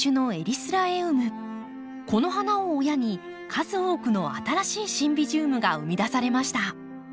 この花を親に数多くの新しいシンビジウムが生み出されました。